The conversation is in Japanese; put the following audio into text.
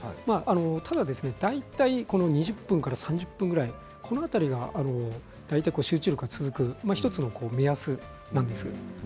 ただ大体２０分から３０分ぐらいこの辺りが大体集中力が続く１つの目安なんです。